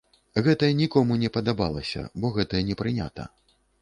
Гэта нікому не падабалася, бо гэта не прынята.